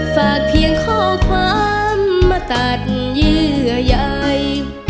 ฝากเพียงข้อความมาตัดเยื่อใย